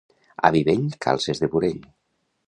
Avi vell, calces de burell.